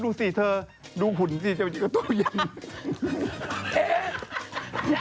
ดูสิเธอดูหุ่นสิเจ้าจี๊กกับโต๊ะเย็น